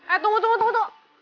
eh tunggu tunggu tunggu